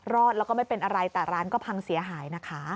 รอดแล้วก็ไม่เป็นอะไรแต่ร้านก็พังเสียหายนะคะ